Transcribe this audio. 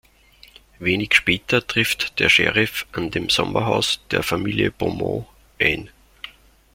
Wenig später trifft der Sheriff an dem Sommerhaus der Familie Beaumont ein.